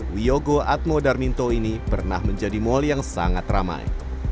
wiyogo atmo darminto ini pernah menjadi mal yang sangat ramai